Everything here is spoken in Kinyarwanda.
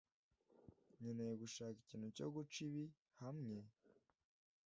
nkeneye gushaka ikintu cyo guca ibi hamwe